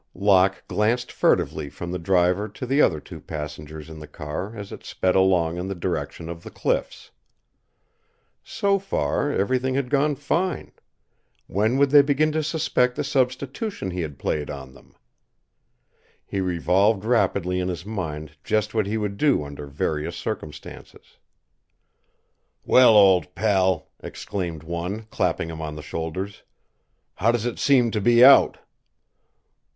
Locke glanced furtively from the driver to the other two passengers in the car as it sped along in the direction of the cliffs. So far everything had gone fine. When would they begin to suspect the substitution he had played on them? He revolved rapidly in his mind just what he would do under various circumstances. "Well, old pal," exclaimed one, clapping him on the shoulders, "how does it seem to be out?"